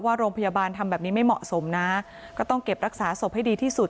โรงพยาบาลทำแบบนี้ไม่เหมาะสมนะก็ต้องเก็บรักษาศพให้ดีที่สุด